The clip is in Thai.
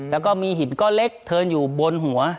แล้วก็มีหินก้อนเล็กเทินอยู่บนหัว